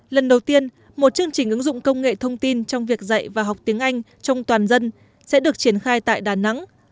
lần đầu tiên một chương trình ứng dụng công nghệ thông tin trong việc dạy và học tiếng anh trong toàn dân sẽ được triển khai tại đà nẵng